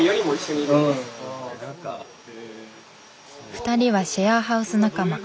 ２人はシェアハウス仲間。